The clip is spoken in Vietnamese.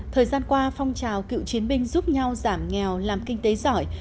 thời gian qua phong trào cựu chiến binh giúp nhau giảm nghèo làm kinh tế giỏi